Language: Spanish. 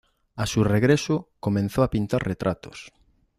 A su regreso, comenzó a pintar retratos.